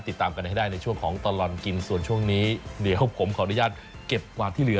ติดตามกันให้ได้ในช่วงของตลอดกินส่วนช่วงนี้เดี๋ยวผมขออนุญาตเก็บกวาดที่เหลือ